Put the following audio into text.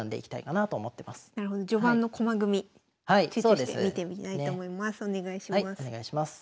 集中して見てみたいと思います。